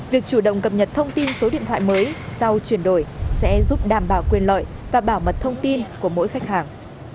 việc chủ động cập nhật thông tin số điện thoại mới sau chuyển đổi sẽ giúp đảm bảo quyền lợi và bảo mật thông tin của mỗi khách hàng